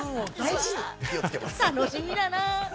楽しみだな。